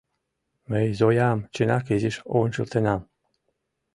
Мый Зоям, чынак, изиш ончылтенам.